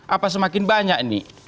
apa semakin banyak ini